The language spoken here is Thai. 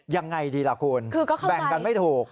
ยังไงดีล่ะคุณแบ่งกันไม่ถูก